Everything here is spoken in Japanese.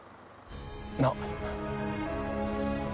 なっ！